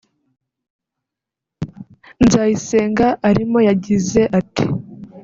Nzayisenga arimo yagize ati